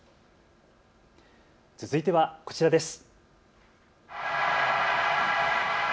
続いてはこちらです。